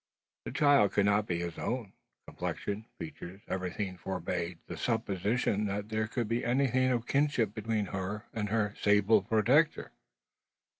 The child could not be his own? Complexion, features, everything forbade the supposition that there could be anything of kinship between her and her sable protector.